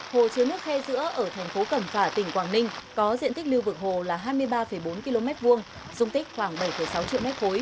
hồ chứa nước khe giữa ở thành phố cẩm phả tỉnh quảng ninh có diện tích lưu vực hồ là hai mươi ba bốn km hai dung tích khoảng bảy sáu triệu m ba